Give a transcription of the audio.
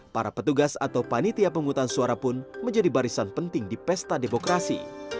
para petugas atau panitia penghutang suara pun menjadi barisan penting di pesta demokrasi